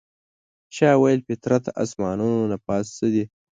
چا ویل فطرته اسمانونو نه پاس څه دي؟